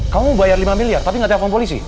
kamu bayar lima miliar tapi gak telepon polisi